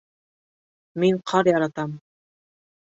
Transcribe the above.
Мин ҡар яратам